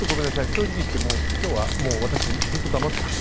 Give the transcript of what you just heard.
正直言って今日はもう私ずっと黙ってます。